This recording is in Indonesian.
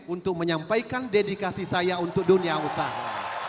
untuk menyampaikan dedikasi saya untuk dunia usaha